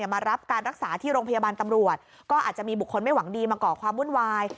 มารับการรักษาที่โรงพยาบาลตำรวจก็อาจจะมีบุคคลไม่หวังดีมาก่อความวุ่นวาย